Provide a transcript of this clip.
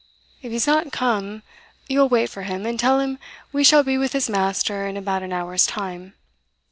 If he is not come, you'll wait for him, and tell him we shall be with his master in about an hour's time.